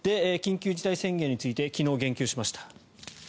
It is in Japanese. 緊急事態宣言について昨日言及しました。